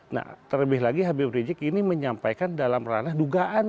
nah terlebih lagi habib rizik ini menyampaikan dalam ranah dugaan